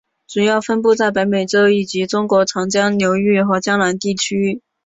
主要分布在北美洲以及中国长江流域和江南地区。